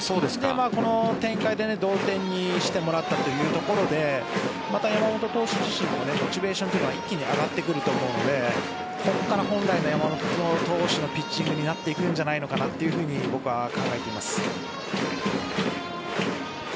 この展開で同点にしてもらったというところでまた、山本投手自身もモチベーションは一気に上がってくると思うのでここから本来の山本投手のピッチングになっていくんじゃないのかなと僕は考えています。